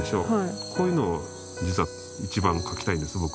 こういうのを実は一番描きたいんです僕。